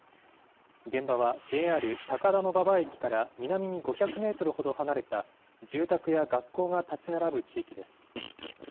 現場はＪＲ高田馬場駅から南に５００メートルほど離れた住宅や学校が建ち並ぶ地域です。